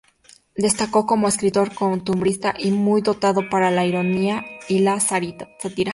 Destacó como escritor costumbrista, muy dotado para la ironía y la sátira.